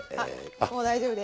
あっもう大丈夫です。